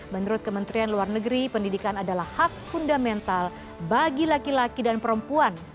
menurut kementerian luar negeri pendidikan adalah hak fundamental bagi laki laki dan perempuan